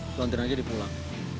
nanti nanti nanti dia dipulang